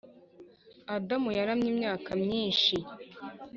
adam yaramye imyaka myinshi